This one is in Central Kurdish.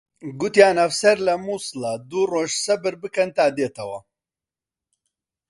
گوتیان ئەفسەر لە مووسڵە، دوو ڕۆژ سەبر بکەن تا دێتەوە